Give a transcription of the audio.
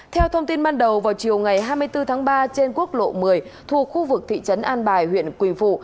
theo thông tin ban đầu vào chiều ngày hai mươi bốn tháng ba trên quốc lộ một mươi thuộc khu vực thị trấn an bài huyện quỳ vụ